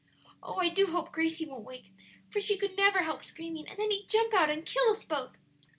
Oh, I do hope Gracie won't wake! for she could never help screaming; and then he'd jump out and kill us both."